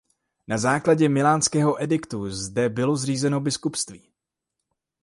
Na základě milánského ediktu zde bylo zřízeno biskupství.